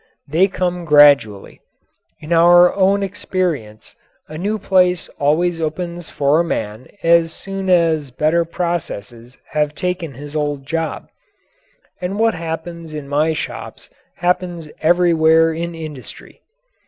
They come gradually. In our own experience a new place always opens for a man as soon as better processes have taken his old job. And what happens in my shops happens everywhere in industry.